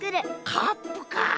カップか！